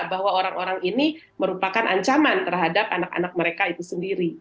bahwa orang orang ini merupakan ancaman terhadap anak anak mereka itu sendiri